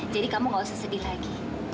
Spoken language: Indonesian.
kamu gak usah sedih lagi